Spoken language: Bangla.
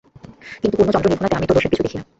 কিন্তু পূর্ণচন্দ্রনিভাননাতে আমি তো দোষের কিছু দেখি নি।